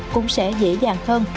cũng sẽ dễ dàng hơn